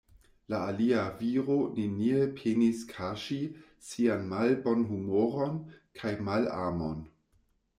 La alia viro neniel penis kaŝi sian malbonhumoron kaj malamon.